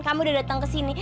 kamu udah datang kesini